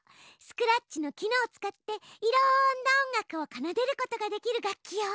スクラッチの機能を使っていろんな音楽をかなでることができる楽器よ。